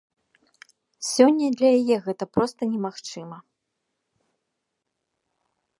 Сёння для яе гэта проста немагчыма.